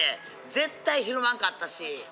絶対ひるまんかったし。